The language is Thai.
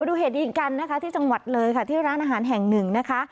ดูเหตุยิงกันนะคะที่จังหวัดเลยค่ะที่ร้านอาหารแห่งหนึ่งนะคะ